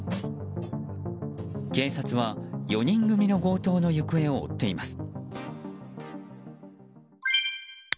警察は４人組の強盗の行方を追っています。